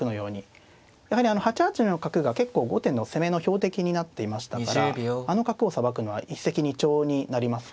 やはり８八の角が結構後手の攻めの標的になっていましたからあの角をさばくのは一石二鳥になりますからね。